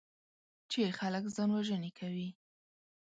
چې خلک ځانوژنې کوي.